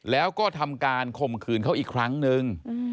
แล้วก็ทำการข่มขืนเขาอีกครั้งนึง